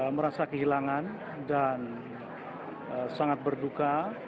merasa kehilangan dan sangat berduka